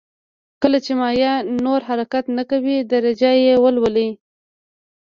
کله چې مایع نور حرکت نه کوي درجه یې ولولئ.